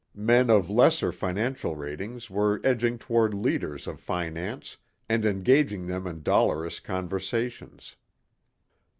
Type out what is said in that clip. Men of lesser financial ratings were edging toward leaders of finance and engaging them in dolorous conversations.